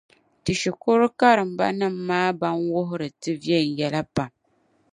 Ti shikuru karimbanima maa ban wuhiri ti viɛnyɛla pam.